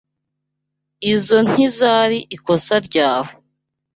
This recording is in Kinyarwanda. Izoi ntizoari ikosa ryawe.